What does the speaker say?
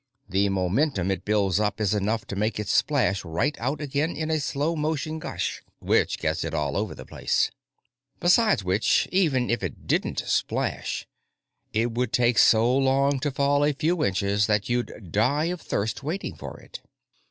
The momentum it builds up is enough to make it splash right out again in a slow motion gush which gets it all over the place. Besides which, even if it didn't splash, it would take it so long to fall a few inches that you'd die of thirst waiting for it.